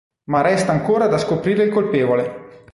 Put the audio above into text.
Ma resta ancora da scoprire il colpevole.